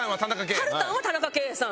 はるたんは田中圭さん。